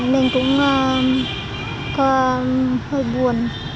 nên cũng hơi buồn